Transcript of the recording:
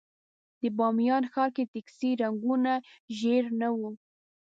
د بامیان ښار کې د ټکسي رنګونه ژېړ نه وو.